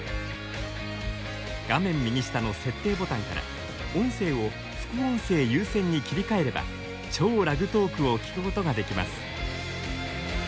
画面右下の設定ボタンから音声を副音声優先に切り替えれば超ラグトークを聞くことができます。